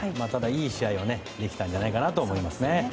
ただいい試合ができたんじゃないかと思います。